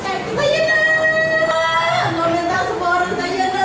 ibu korban menangis histeris